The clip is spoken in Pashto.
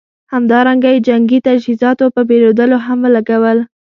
همدارنګه یې جنګي تجهیزاتو په پېرودلو هم ولګول.